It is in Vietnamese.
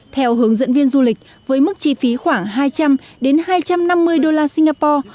theo hướng dẫn viên du lịch với mức chi phí khoảng hai trăm linh hai trăm năm mươi đô la singapore